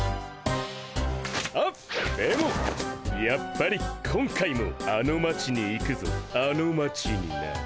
あっでもやっぱり今回もあの町に行くぞあの町にな。